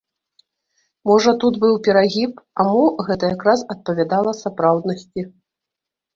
Можа тут быў перагіб, а мо гэта якраз адпавядала сапраўднасці.